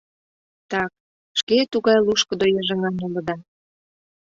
Так... шке тугай лушкыдо йыжыҥан улыда...